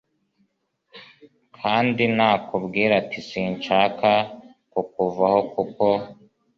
Kandi nakubwira ati Sinshaka kukuvaho kuko